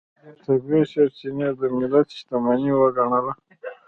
طبیعي سرچینې د ملت شتمنۍ وګڼله.